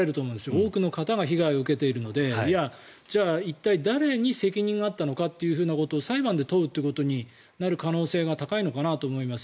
多くの方が被害を受けているのでじゃあ、一体誰に責任があったのかというのを裁判で問うということになる可能性が高いのかなと思います。